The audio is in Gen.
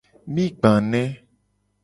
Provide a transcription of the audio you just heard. Mi gba ne.